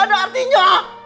tidak ada artinya